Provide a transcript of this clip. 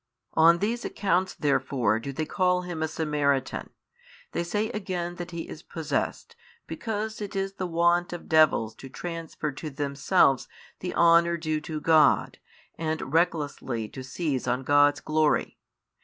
On these accounts therefore do they call Him a Samaritan, they say again that He is possessed, because it is the wont of devils to transfer to themselves the honour due to God and recklessly to seize on God's glory.